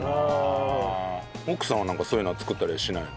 奥さんはなんかそういうのは作ったりしないの？